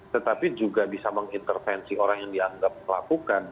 tetapi juga bisa mengintervensi orang yang dianggap melakukan